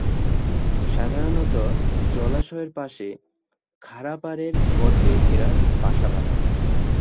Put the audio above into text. সাধারণত জলাশয়ের পাশে খাড়া পাড়ের গর্তে এরা বাসা বানায়।